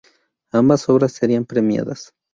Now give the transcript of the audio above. Ambas obras serían premiadas.